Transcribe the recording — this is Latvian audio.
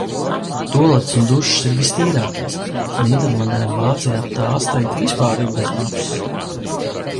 Tualetes un dušas ir vistīrākās! Nīderlandē un Vācijā tās tagad vispār ir bezmaksas.